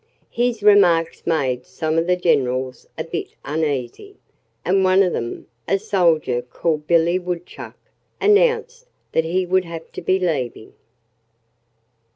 His remarks made some of the generals a bit uneasy. And one of them a soldier called Billy Woodchuck announced that he would have to be leaving.